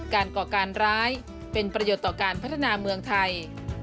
ก่อการร้ายเป็นประโยชน์ต่อการพัฒนาเมืองไทย